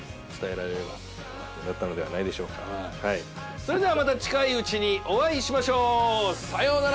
それではまた近いうちにお会いしましょう！さようなら！